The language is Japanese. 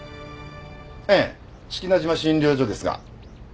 ええ志木那島診療所ですが。